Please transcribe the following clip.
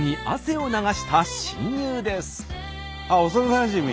ああ幼なじみ？